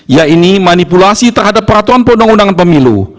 yaitu manipulasi terhadap peraturan perundang undangan pemilu